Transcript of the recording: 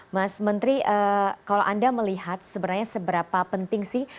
mas menteri kalau anda melihat sebenarnya seberapa penting sih